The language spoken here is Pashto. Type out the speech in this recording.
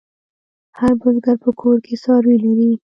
هر بزگر په کور کې څاروي لري.